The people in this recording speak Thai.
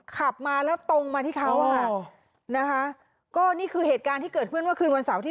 ขับมาแล้วตรงมาที่เขาอ่ะนะคะก็นี่คือเหตุการณ์ที่เกิดขึ้นเมื่อคืนวันเสาร์ที่